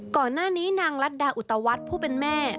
ก่อนหน้านี้นางรัฐดาอุตวัฒน์ผู้เป็นแม่